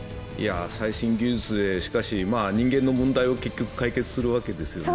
最新技術でしかし、人間の問題を結局解決するわけですよね。